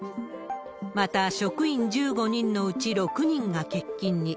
また、職員１５人のうち６人が欠勤に。